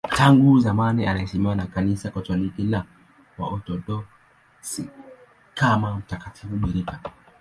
Tangu zamani anaheshimiwa na Kanisa Katoliki na Waorthodoksi kama mtakatifu bikira.